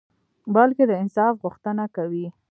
بلکي د انصاف غوښته کوي